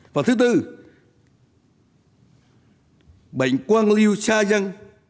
và thứ tư bệnh quang lưu xa dân